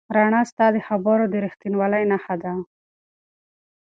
رڼا ستا د خبرو د رښتینولۍ نښه ده.